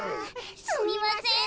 すみません。